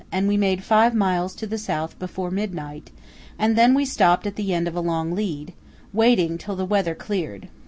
and we made five miles to the south before midnight and then we stopped at the end of a long lead, waiting till the weather cleared.